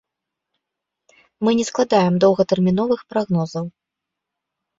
Мы не складаем доўгатэрміновых прагнозаў.